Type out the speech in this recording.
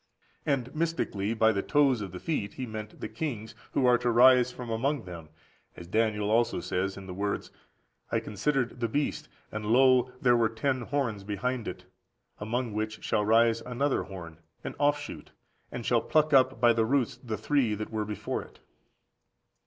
And mystically by the toes of the feet he meant the kings who are to arise from among them; as Daniel also says (in the words), "I considered the beast, and lo there were ten horns behind it, among which shall rise another (horn), an offshoot, and shall pluck up by the roots the three (that were) before it."